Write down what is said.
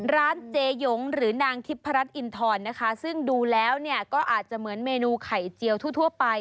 เจหยงหรือนางทิพรัชอินทรนะคะซึ่งดูแล้วเนี่ยก็อาจจะเหมือนเมนูไข่เจียวทั่วไป